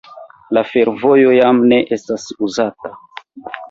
La fervojo jam ne estas uzata.